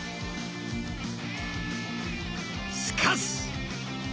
しかし！